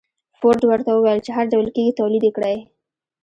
فورډ ورته وويل چې هر ډول کېږي توليد يې کړئ.